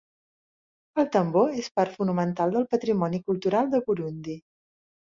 El tambor és part fonamental del patrimoni cultural de Burundi.